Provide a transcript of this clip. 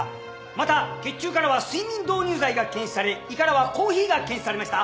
また血中からは睡眠導入剤が検出され胃からはコーヒーが検出されました。